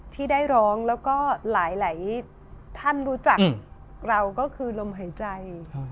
ที่ได้ร้องแล้วก็หลายท่านรู้จักเราก็คือลมหายใจ